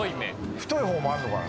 太いほうもあんのかな？